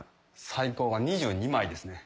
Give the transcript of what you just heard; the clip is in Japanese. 最高が２２枚ですね。